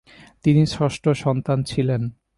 তিনি ষষ্ঠ সন্তান ছিলেন।